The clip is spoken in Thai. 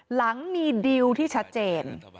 หลังมีดิวที่ชัดเจน